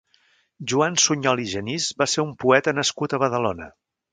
Joan Sunyol i Genís va ser un poeta nascut a Badalona.